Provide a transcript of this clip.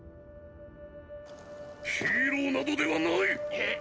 ヒーローなどではないっ！